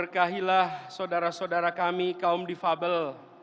berkahilah saudara saudara kami kaum difabel